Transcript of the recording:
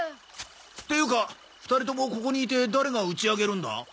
っていうか２人ともここにいて誰が打ち上げるんだ？